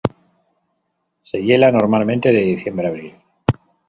Se hiela normalmente de diciembre a abril.